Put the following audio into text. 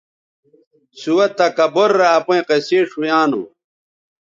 سُوہ تکبُر رے اپئیں قصے ݜؤیانوں